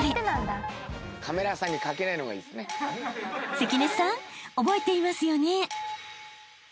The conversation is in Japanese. ［関根さん覚えていますよね？］